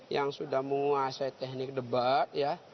yang sudah menguasai teknik debat ya